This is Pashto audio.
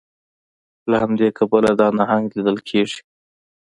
له همدې کبله دا نهنګ لیدل کیږي